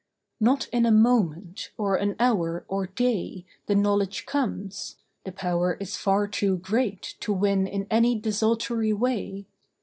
Not in a moment, or an hour, or day The knowledge comes; the power is far too great, To win in any desultory way.